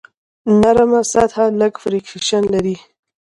نرم سطحه لږ فریکشن لري.